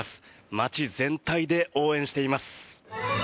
街全体で応援しています。